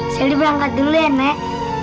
sally bangkat dulu ya nek